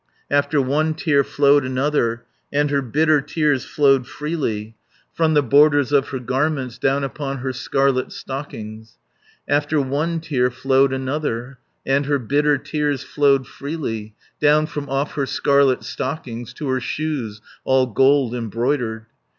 After one tear flowed another, And her bitter tears flowed freely 460 From the borders of her garments Down upon her scarlet stockings. After one tear flowed another, And her bitter tears flowed freely Down from off her scarlet stockings To her shoes, all gold embroidered.